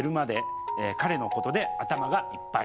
彼のことで頭がいっぱい。